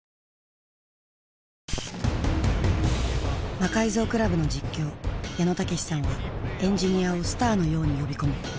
魔改造倶楽部の実況矢野武さんはエンジニアをスターのように呼び込む。